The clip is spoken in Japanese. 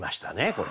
これ。